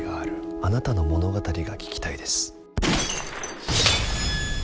あなたの物語が聞きたいです。